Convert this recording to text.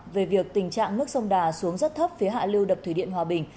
về việc tình trạng nước sông đà xuống rất thấp phía hạ lưu đập thủy điện hòa bình